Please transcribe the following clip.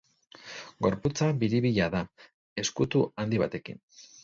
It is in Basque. Gorputza biribila da, ezkutu handi batekin.